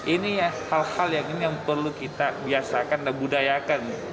ini hal hal yang perlu kita biasakan dan budayakan